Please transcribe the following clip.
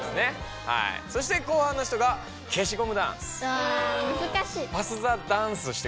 そして後半の人がけしゴムダンス。